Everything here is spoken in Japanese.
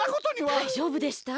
だいじょうぶでした？